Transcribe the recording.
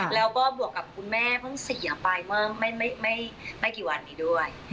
แล้วก็บวกกับคุณแม่เพิ่งเสียไปเมื่อไม่กี่วันนี้ด้วย